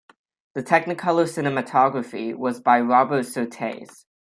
The Technicolor cinematography was by Robert Surtees.